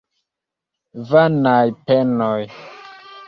Vanaj penoj!